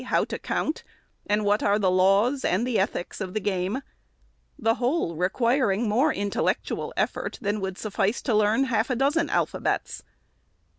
how to count, and what are the laws and the ethics of the game ; the whole requiring more intellectual effort than would suffice to learn half a dozen alphabets.